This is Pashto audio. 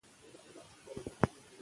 لوستې نجونې د ټولنې همغږي ټينګوي.